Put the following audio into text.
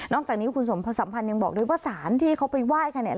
นอกจากนี้คุณสมภัณฑ์ยังบอกเลยว่าศาลที่เขาไปไหว้ค่ะเนี่ย